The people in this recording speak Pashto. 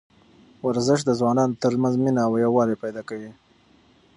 ورزش د ځوانانو ترمنځ مینه او یووالی پیدا کوي.